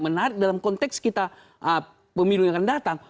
menarik dalam konteks kita pemilu yang akan datang